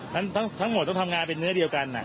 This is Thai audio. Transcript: ทั้งหมดต้องทำงานเป็นเนื้อเดียวกัน